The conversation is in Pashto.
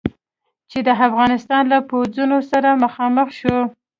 چې د افغانستان له پوځونو سره مخامخ شو.